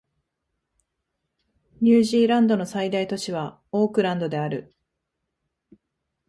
ニュージーランドの最大都市はオークランドである